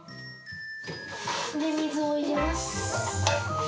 水を入れます。